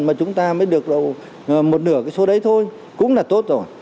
mà chúng ta mới được một nửa cái số đấy thôi cũng là tốt rồi